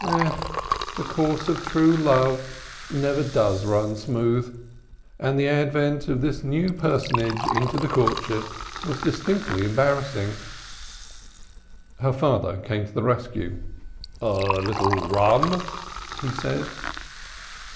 The course of true love never does run smooth, and the advent of this new personage into the courtship was distinctly embarrassing. The father came to the rescue. "A little rum?" he said.